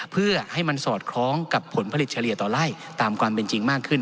เพื่อให้มันสอดคล้องกับผลผลิตเฉลี่ยต่อไล่ตามความเป็นจริงมากขึ้น